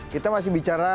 kita masih bicara